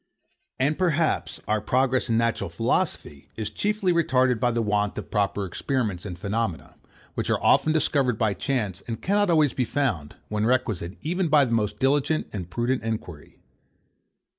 And, perhaps, our progress in natural philosophy is chiefly retarded by the want of proper experiments and phaenomena, which are often discovered by chance, and cannot always be found, when requisite, even by the most diligent and prudent enquiry.